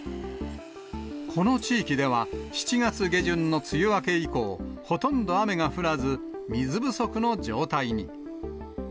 この地域では、７月下旬の梅雨明け以降、ほとんど雨が降らず、水不足の状態に。